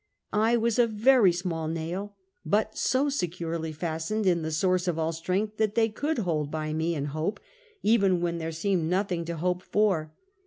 I was a very small nail, but so securely fastened in the source of all strength, that they could hold by me and hope, even when there seemed nothing to hope for.